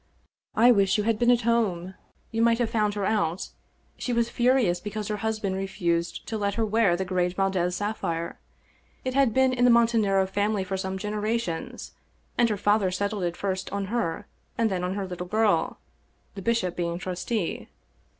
" I wish you had been at home. You might have found her out. She was furious because her husband refused to let her wear the great Valdez sapphire. It had been in the Montanaro family for some generations, and her father set tled it first on her and then on her little girl — ^the bishop being trustee.